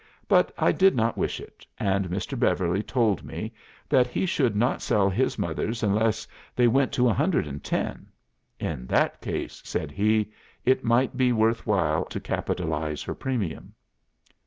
But I did not wish it; and Mr. Beverly told me that he should not sell his mother's unless they went to 110. 'In that case,' said he, 'it might be worth while to capitalise her premium.